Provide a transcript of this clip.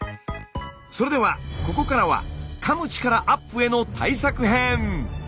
それではここからはかむ力アップへの対策編！